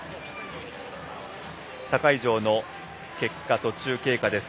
他会場の結果と途中経過です。